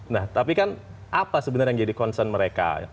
nah tapi kan apa sebenarnya yang jadi concern mereka